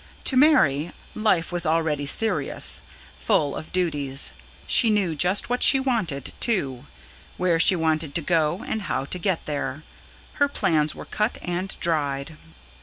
To Mary, life was already serious, full of duties. She knew just what she wanted, too, where she wanted to go and how to get there; her plans were cut and dried.